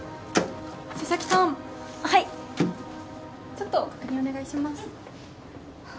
ちょっと確認お願いします。